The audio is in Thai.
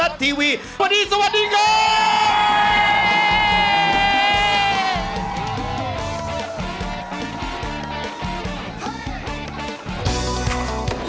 ออกออกออกออกออกออกออกออกออก